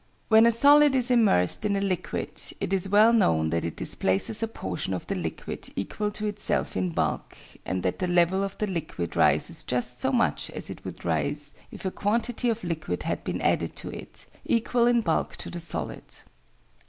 _ "When a solid is immersed in a liquid, it is well known that it displaces a portion of the liquid equal to itself in bulk, and that the level of the liquid rises just so much as it would rise if a quantity of liquid had been added to it, equal in bulk to the solid.